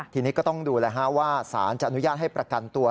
ทีนี้ก็ต้องดูแล้วว่าสารจะอนุญาตให้ประกันตัว